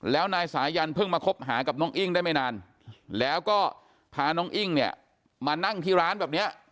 แล้วนายสายันเพิ่งมาคบหากับน้องอิ้งได้ไม่นานแล้วก็พาน้องอิ้งเนี่ยมานั่งที่ร้านแบบเนี้ย